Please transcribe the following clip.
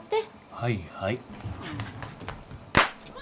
はいはい。